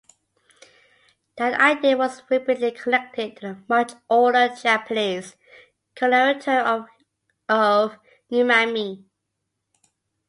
That idea was rapidly connected to the much older Japanese, culinary term of umami.